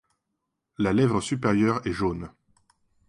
La lèvre supérieure est jaune.